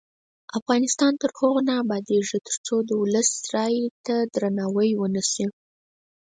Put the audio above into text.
افغانستان تر هغو نه ابادیږي، ترڅو د ولس رایې ته درناوی ونشي.